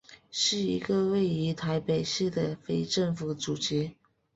是一个位于台北市的非政府组织。